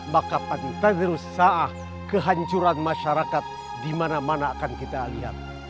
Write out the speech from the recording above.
maka kita terus saah kehancuran masyarakat di mana mana akan kita lihat